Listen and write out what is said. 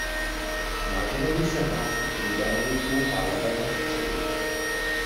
Názorově se hlásí k liberalismu a levému středu.